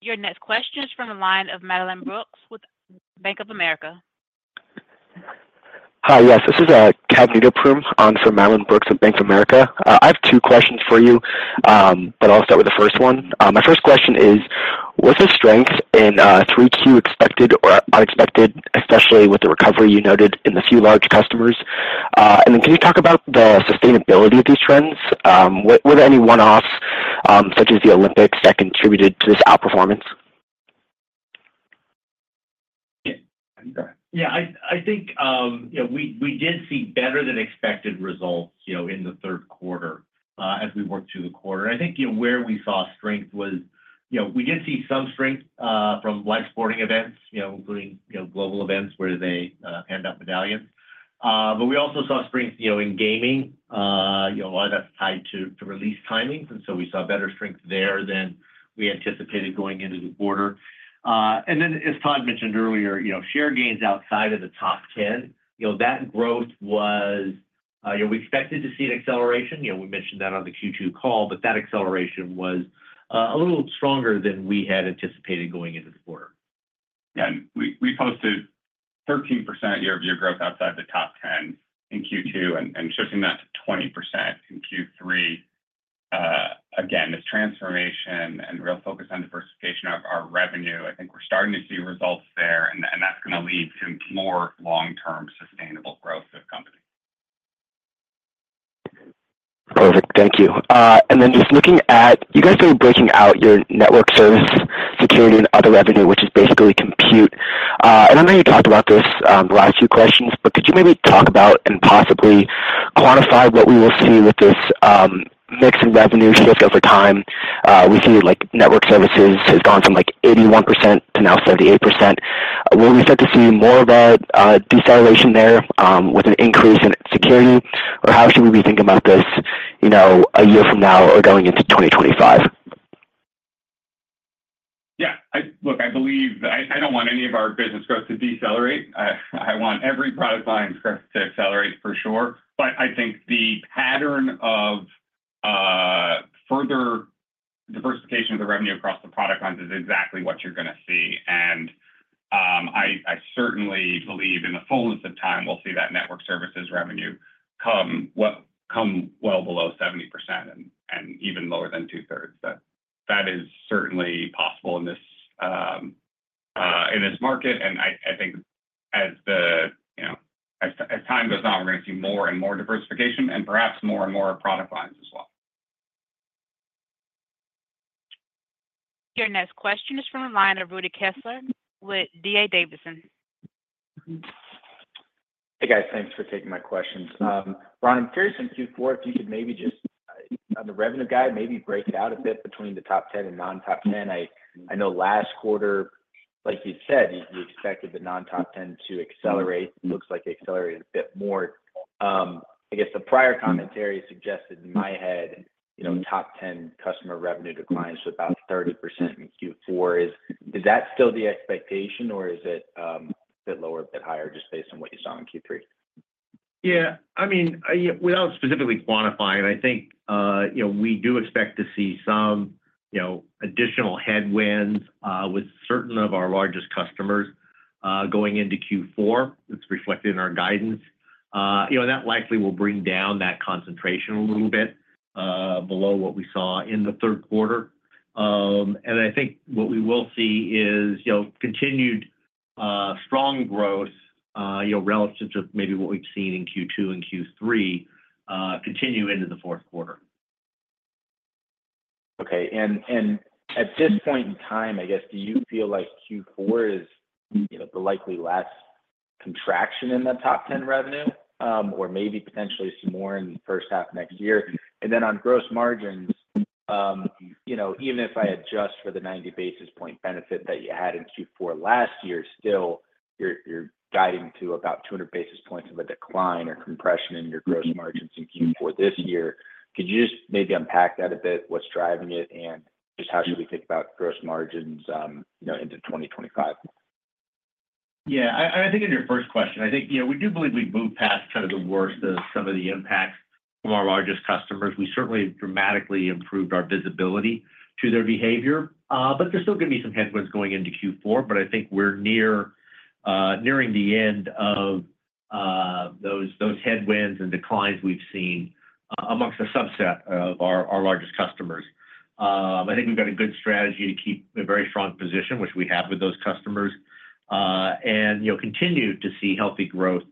S1: Your next question is from the line of Madeline Brooks with Bank of America.
S12: Hi. Yes. This is Calvin Oliver on for Madeline Brooks at Bank of America. I have two questions for you, but I'll start with the first one. My first question is, was there strength in 3Q expected or unexpected, especially with the recovery you noted in the few large customers? And then can you talk about the sustainability of these trends? Were there any one-offs such as the Olympics that contributed to this outperformance?
S5: Yeah. I think we did see better-than-expected results in the third quarter as we worked through the quarter. I think where we saw strength was we did see some strength from live sporting events, including global events where they hand out medallions. We also saw strength in gaming, a lot of that's tied to release timings. So we saw better strength there than we anticipated going into the quarter. Then, as Todd mentioned earlier, share gains outside of the top 10, that growth was we expected to see an acceleration. We mentioned that on the Q2 call, but that acceleration was a little stronger than we had anticipated going into the quarter.
S3: Yeah. We posted 13% year-over-year growth outside the top 10 in Q2 and shifting that to 20% in Q3. Again, this transformation and real focus on diversification of our revenue, I think we're starting to see results there, and that's going to lead to more long-term sustainable growth of the company.
S12: Perfect. Thank you. And then just looking at you guys are breaking out your Network Services, security, and other revenue, which is basically Compute. And I know you talked about this the last few questions, but could you maybe talk about and possibly quantify what we will see with this mix revenue shift over time? We see Network Services has gone from 81% to now 78%. Will we start to see more of a deceleration there with an increase in security, or how should we be thinking about this a year from now or going into 2025?
S3: Yeah. Look, I believe I don't want any of our business growth to decelerate. I want every product line's growth to accelerate, for sure. But I think the pattern of further diversification of the revenue across the product lines is exactly what you're going to see. And I certainly believe in the fullness of time, we'll see that network services revenue come well below 70% and even lower than two-thirds. That is certainly possible in this market. And I think as time goes on, we're going to see more and more diversification and perhaps more and more product lines as well.
S1: Your next question is from the line of Rudy Kessinger with DA Davidson.
S13: Hey, guys. Thanks for taking my questions. Ron, I'm curious in Q4 if you could maybe just, on the revenue guide, maybe break it out a bit between the top 10 and non-top 10. I know last quarter, like you said, you expected the non-top 10 to accelerate. It looks like it accelerated a bit more. I guess the prior commentary suggested in my head top 10 customer revenue declines to about 30% in Q4. Is that still the expectation, or is it a bit lower, a bit higher, just based on what you saw in Q3?
S5: Yeah. I mean, without specifically quantifying, I think we do expect to see some additional headwinds with certain of our largest customers going into Q4. It's reflected in our guidance. That likely will bring down that concentration a little bit below what we saw in the third quarter. And I think what we will see is continued strong growth relative to maybe what we've seen in Q2 and Q3 continue into the fourth quarter.
S13: Okay. And at this point in time, I guess, do you feel like Q4 is the likely last contraction in the top 10 revenue, or maybe potentially some more in the first half of next year? Then on gross margins, even if I adjust for the 90 basis point benefit that you had in Q4 last year, still you're guiding to about 200 basis points of a decline or compression in your gross margins in Q4 this year. Could you just maybe unpack that a bit, what's driving it, and just how should we think about gross margins into 2025?
S5: Yeah. I think in your first question, I think we do believe we've moved past kind of the worst of some of the impacts from our largest customers. We certainly dramatically improved our visibility to their behavior, but there still could be some headwinds going into Q4. But I think we're nearing the end of those headwinds and declines we've seen amongst a subset of our largest customers. I think we've got a good strategy to keep a very strong position, which we have with those customers, and continue to see healthy growth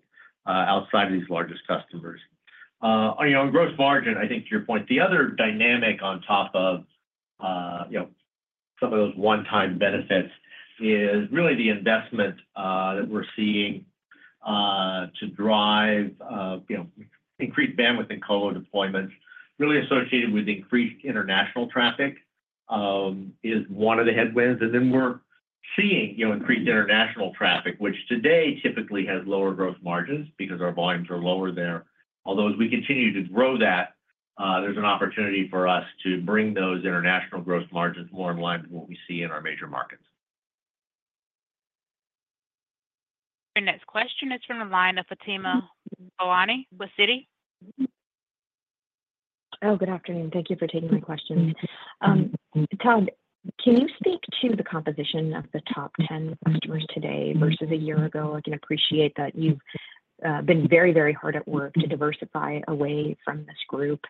S5: outside of these largest customers. On gross margin, I think, to your point, the other dynamic on top of some of those one-time benefits is really the investment that we're seeing to drive increased bandwidth and colo deployments, really associated with increased international traffic, is one of the headwinds. And then we're seeing increased international traffic, which today typically has lower gross margins because our volumes are lower there. Although as we continue to grow that, there's an opportunity for us to bring those international gross margins more in line with what we see in our major markets.
S1: Your next question is from the line of Fatima Boolani with Citi.
S14: Oh, good afternoon. Thank you for taking my question. Todd, can you speak to the composition of the top 10 customers today versus a year ago? I can appreciate that you've been very, very hard at work to diversify away from this group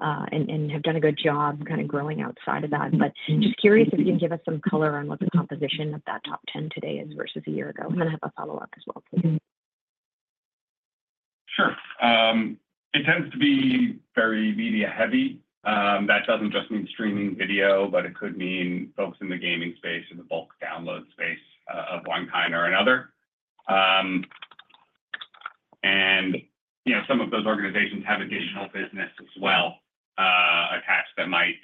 S14: and have done a good job kind of growing outside of that. But just curious if you can give us some color on what the composition of that top 10 today is versus a year ago. I'm going to have a follow-up as well, please.
S3: Sure. It tends to be very media-heavy. That doesn't just mean streaming video, but it could mean folks in the gaming space or the bulk download space of one kind or another. And some of those organizations have additional business as well attached that might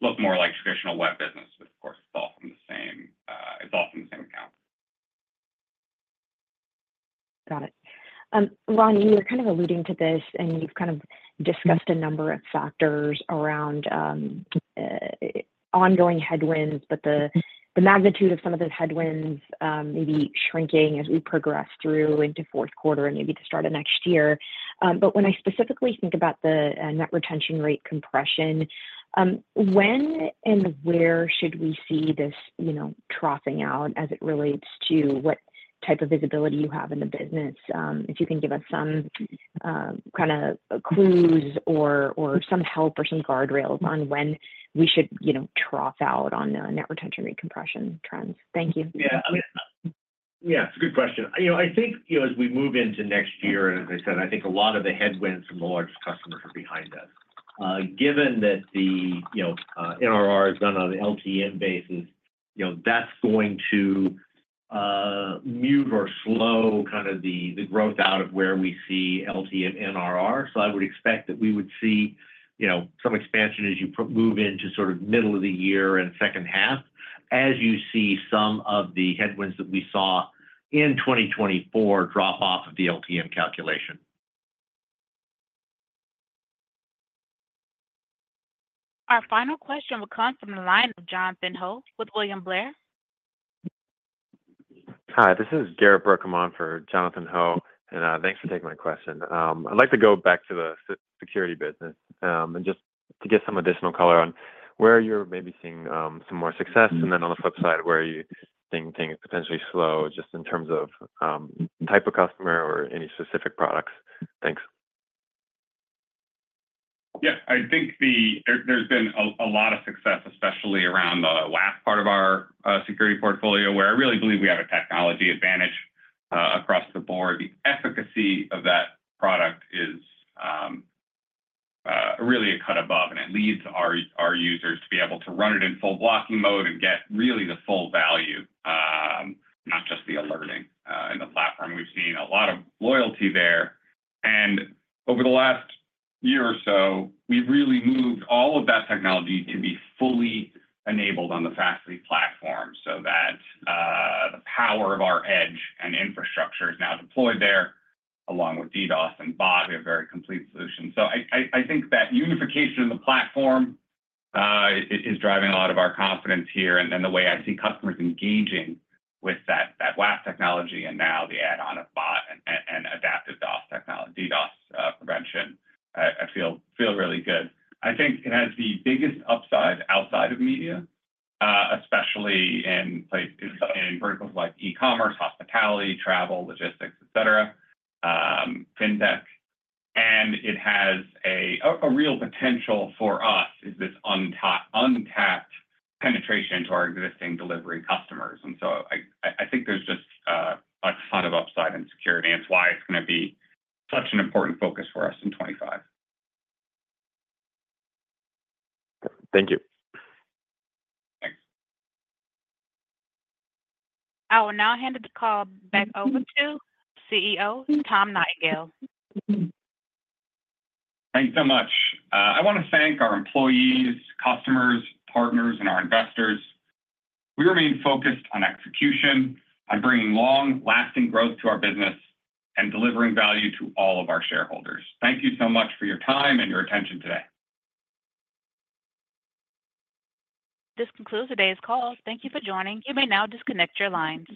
S3: look more like traditional web business, but of course, it's all from the same account.
S14: Got it. Ron, you were kind of alluding to this, and you've kind of discussed a number of factors around ongoing headwinds, but the magnitude of some of those headwinds may be shrinking as we progress through into fourth quarter and maybe to start of next year. But when I specifically think about the net retention rate compression, when and where should we see this troughing out as it relates to what type of visibility you have in the business? If you can give us some kind of clues or some help or some guardrails on when we should trough out on the net retention rate compression trends. Thank you.
S5: Yeah. Yeah. It's a good question. I think as we move into next year, and as I said, I think a lot of the headwinds from the largest customers are behind us. Given that the NRR is done on an LTM basis, that's going to move or slow kind of the growth out of where we see LTM NRR. So I would expect that we would see some expansion as you move into sort of middle of the year and second half, as you see some of the headwinds that we saw in 2024 drop off of the LTM calculation.
S1: Our final question will come from the line of Jonathan Ho with William Blair.
S15: Hi. This is Garrett Becker for Jonathan Ho. And thanks for taking my question. I'd like to go back to the security business and just to get some additional color on where you're maybe seeing some more success, and then on the flip side, where you think things potentially slow just in terms of type of customer or any specific products. Thanks.
S3: Yeah. I think there's been a lot of success, especially around the last part of our security portfolio, where I really believe we have a technology advantage across the board. The efficacy of that product is really a cut above, and it leads our users to be able to run it in full blocking mode and get really the full value, not just the alerting. In the platform, we've seen a lot of loyalty there. And over the last year or so, we've really moved all of that technology to be fully enabled on the Fastly platform so that the power of our edge and infrastructure is now deployed there. Along with DDoS and bots, we have a very complete solution. So I think that unification in the platform is driving a lot of our confidence here. And then the way I see customers engaging with that WAF technology and now the add-on of bot and adaptive DDoS prevention, I feel really good. I think it has the biggest upside outside of media, especially in verticals like e-commerce, hospitality, travel, logistics, etc., fintech. And it has a real potential for us is this untapped penetration into our existing delivery customers. And so I think there's just a ton of upside in security, and it's why it's going to be such an important focus for us in 2025.
S15: Thank you.
S3: Thanks.
S1: I will now hand the call back over to CEO Todd Nightingale. Thanks so much. I want to thank our employees, customers, partners, and our investors. We remain focused on execution, on bringing long-lasting growth to our business, and delivering value to all of our shareholders. Thank you so much for your time and your attention today.
S3: This concludes today's call. Thank you for joining. You may now disconnect your lines.